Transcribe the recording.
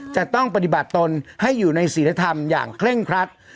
จะต้องปฏิบัติตนให้อยู่ในศิลธรรมอย่างเคร่งครัด